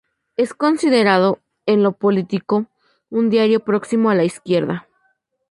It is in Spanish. Es considerado, en lo político, un diario próximo a la izquierda.